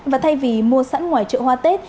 và thay vì mua sẵn ngoài trậu hoa tết